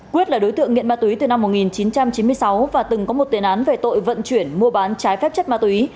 quyết là đối tượng nghiện ma túy từ năm một nghìn chín trăm chín mươi sáu và từng có một tiền án về tội vận chuyển mua bán trái phép chất ma túy